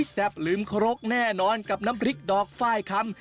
ลืมครกแน่นอนกับน้ำพริกดอกไฟล์คำ